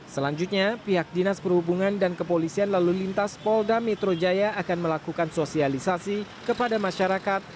selanjutnya pihak dinas perhubungan dan kepolisian lalu lintas polda metro jaya akan melakukan sosialisasi kepada masyarakat